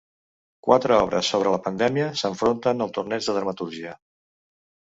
Quatre obres sobre la pandèmia s'enfronten al torneig de Dramatúrgia